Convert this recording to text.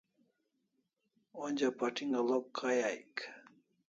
onja pating'alok kay aik